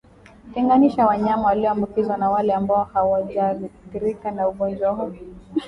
Tenganisha wanyama walioambukizwa na wale ambao hawajathirika na ugonjwa huu